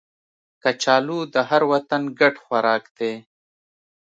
کچالو د هر وطن ګډ خوراک دی